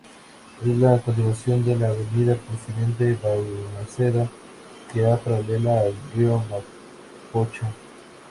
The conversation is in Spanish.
Es la continuación de la Avenida Presidente Balmaceda, que va paralela al río Mapocho.